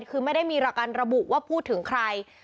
คือไม่ได้มีการระบุว่าพูดถึงใคร